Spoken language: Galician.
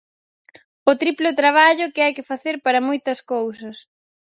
O triplo traballo que hai que facer para moitas cousas.